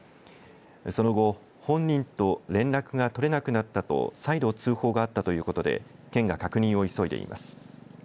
その後、本人と連絡が取れなくなったと再度、通報があったということで県が確認を急いでいます。